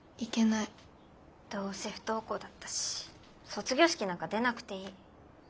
どうせ不登校だったし卒業式なんか出なくていい。